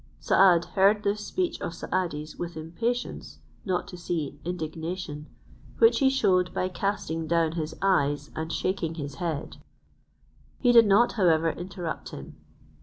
Saad heard this speech of Saadi's with impatience, not to say indignation, which he shewed by casting down his eyes and shaking his head: he did not, however, interrupt him.